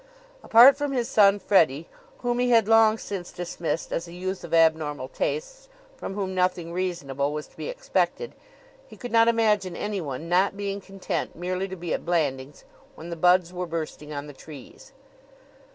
Apart from his son Freddie, whom he had long since dismissed as a youth of abnormal tastes, from whom nothing reasonable was to be expected, he could not imagine anyone not being content merely to be at Blandings when the buds were bursting on the trees.